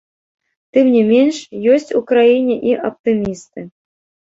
Тым не менш, ёсць у краіне і аптымісты.